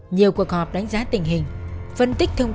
nhiều cuộc họp đánh giá tình hình phân tích thông